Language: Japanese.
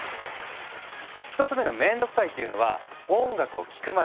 １つ目の「面倒くさい」っていうのは「音楽を聴くまでの手間」。